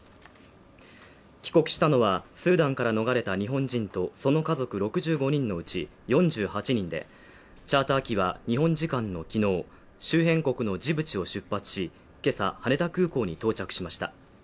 帰国したのはスーダンから逃れた日本人とその家族６５人のうち４８人で、チャーター機は日本時間の昨日、周辺国のジブチを出発し、今朝羽田空港に到着しました。